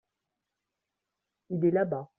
il es tlà-bas.